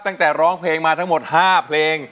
ตั้งแต่ร้องเพลงมาทั้งหมด๕เพลง